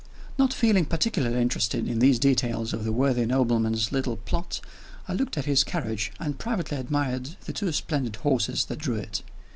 Not feeling particularly interested in these details of the worthy nobleman's little plot, I looked at his carriage, and privately admired the two splendid horses that drew it.